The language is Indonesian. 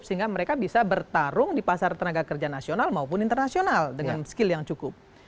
sehingga mereka bisa bertarung di pasar tenaga kerja nasional maupun internasional dengan skill yang cukup